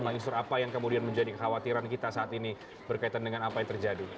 bang isnur apa yang kemudian menjadi kekhawatiran kita saat ini berkaitan dengan apa yang terjadi